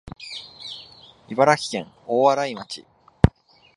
茨城県大洗町